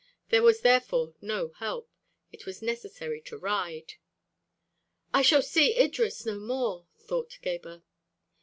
There was therefore no help; it was necessary to ride. "I shall see Idris no more!" thought Gebhr.